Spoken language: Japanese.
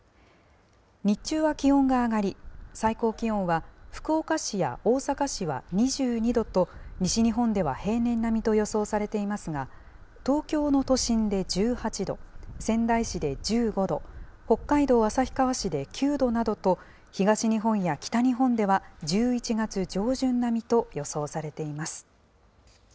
日中は気温が上がり、最高気温は福岡市や大阪市は２２度と、西日本では平年並みと予想されていますが、東京の都心で１８度、仙台市で１５度、北海道旭川市で９度などと、東日本や北日本では１１月上旬並みと予想されています。